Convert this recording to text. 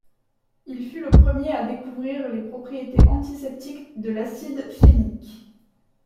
Il fut le premier à découvrir les propriétés antiseptiques de l'acide phénique.